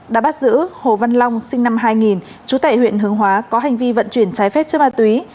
đã bắt giữ hồ văn long sinh năm hai nghìn trú tại huyện hướng hóa có hành vi vận chuyển trái phép chất ma túy